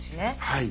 はい。